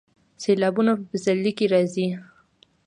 سیلابونه په پسرلي کې راځي